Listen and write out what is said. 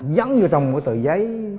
dẫn vô trong một tờ giấy